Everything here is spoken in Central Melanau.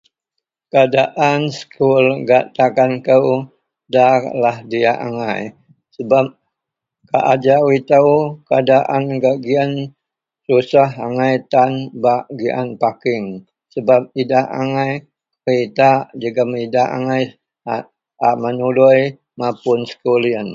Keadaan sekul gak takan kou ndalah diyak angai sebab ajau itou keadaan gak giyen susah angai tan bak gian parking sebab idak angai keritak jegem idak angai a menului mapun sekul yen.